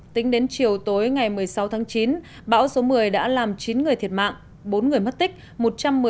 tính đến chiều tối ngày một mươi sáu tháng chín bão số một mươi đã làm chín người thiệt mạng bốn người mất tích